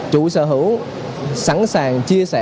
chú sở hữu sẵn sàng chia sẻ